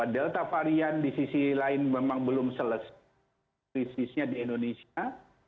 delta varian di sisi lain memang belum selesai krisisnya di indonesia